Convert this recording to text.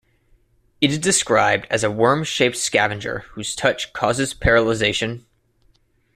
It is described as a worm-shaped scavenger whose touch causes paralyzation.